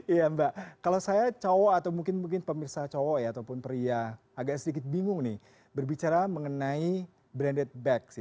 iya mbak kalau saya cowok atau mungkin mungkin pemirsa cowok ya ataupun pria agak sedikit bingung nih berbicara mengenai branded back